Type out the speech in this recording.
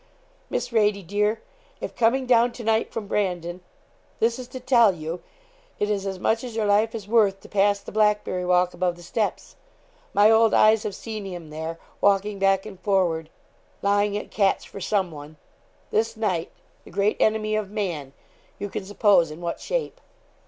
'MISS RADIE, DEAR, If coming down to night from Brandon, this is to tell you, it is as much as your life is worth to pass the Blackberry walk above the steps. My old eyes have seen him there, walking back and forward, lying at catch for some one, this night the great enemy of man; you can suppose in what shape.